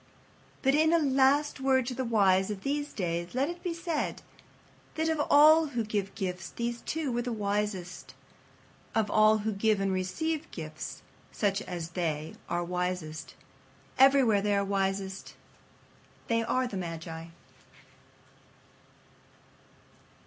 But in a last word to the wise of these days let it be said that of all who give gifts these two were the wisest. Of all who give and receive gifts, such as they are wisest. Everywhere they are wisest. They are the magi.